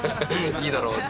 いいだろ！って。